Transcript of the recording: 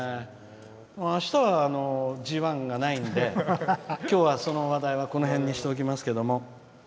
あしたはＧＩがないんできょうは、その話題はこの辺にしておきますけど。